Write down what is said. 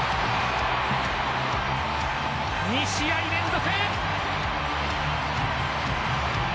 ２試合連続！